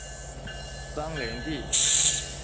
张联第。